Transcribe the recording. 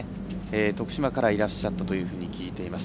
徳島からいらっしゃったというように聞いています。